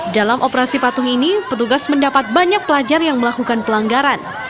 dalam operasi patuh ini petugas mendapat banyak pelajar yang melakukan pelanggaran